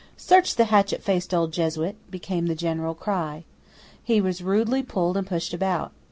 "Search the hatchet faced old Jesuit," became the general cry. He was rudely pulled and pushed about.